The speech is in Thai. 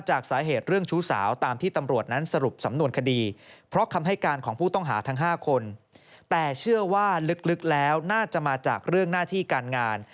เชื่อว่าลึกแล้วน่าจะมาจากเรื่องหน้าที่การงาน